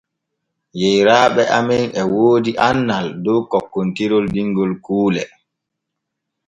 Yeyraaɓe amen e woodi annal dow kokkontirol dingol kuule.